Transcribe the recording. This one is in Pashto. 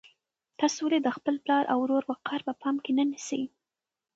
تاسو ولې د خپل پلار او ورور وقار په پام کې نه نیسئ؟